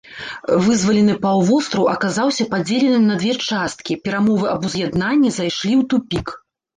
Вызвалены паўвостраў аказаўся падзеленым на дзве часткі, перамовы аб уз'яднанні зайшлі ў тупік.